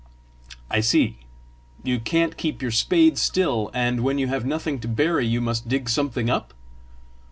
"I see! you can't keep your spade still: and when you have nothing to bury, you must dig something up!